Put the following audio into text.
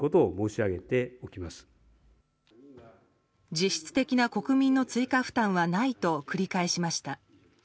実質的な国民の追加負担はないと繰り返しました。